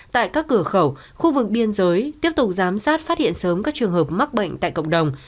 tại các cửa khẩu khu vực biên giới tiếp tục giám sát phát hiện sớm các trường hợp mắc bệnh tại cộng đồng